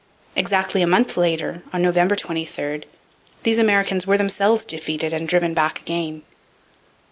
Exactly a month later, on November 23, these Americans were themselves defeated and driven back again.